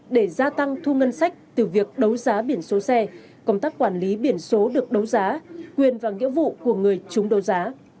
để gia tăng thu ngân sách từ việc đấu giá biển số xe công tác quản lý biển số được đấu giá quyền và nghĩa vụ của người chúng đấu giá